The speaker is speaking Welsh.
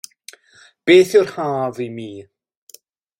Beth Yw'r Haf i Mi?